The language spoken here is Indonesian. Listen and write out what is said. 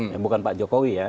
yang bukan pak jokowi ya